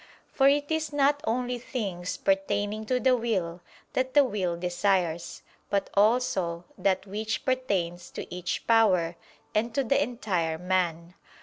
For it is not only things pertaining to the will that the will desires, but also that which pertains to each power, and to the entire man.